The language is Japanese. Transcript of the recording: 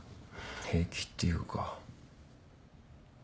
平気っていうか。